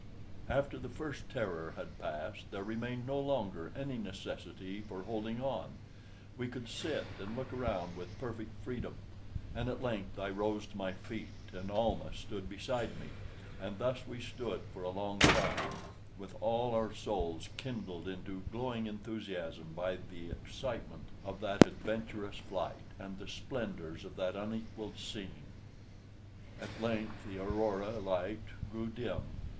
After the first terror had passed there remained no longer any necessity for holding on we could sit and look around with perfect freedom; and at length I rose to my feet, and Almah stood beside me, and thus we stood for a long time, with all our souls kindled into glowing enthusiasm by the excitement of that adventurous flight, and the splendors of that unequalled scene. At length the aurora light grew dim.